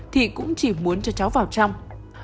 thì cũng chỉ muốn cho cháu vào trong